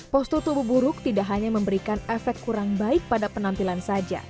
postur tubuh buruk tidak hanya memberikan efek kurang baik pada penampilan saja